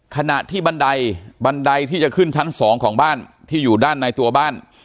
ขณะที่บันไดบันไดที่จะขึ้นชั้นสองของบ้านที่อยู่ด้านในตัวบ้าน